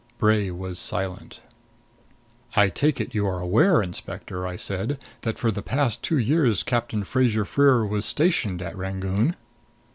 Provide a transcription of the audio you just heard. Bray was silent. "I take it you are aware, Inspector," I said, "that for the past two years Captain Fraser Freer was stationed at Rangoon."